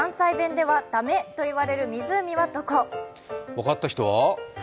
分かった人は？